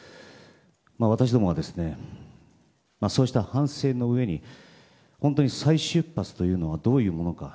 私どもは、そうした反省のうえに本当に再出発というのはどういうものか